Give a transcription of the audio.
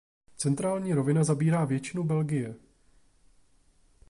Centrální rovina zabírá většinu Belgie.